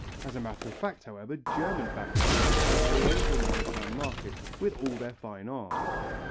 As a matter of fact, however, German factories supply Oriental maritime markets with all their fine arms.